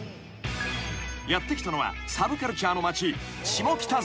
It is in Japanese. ［やって来たのはサブカルチャーの街］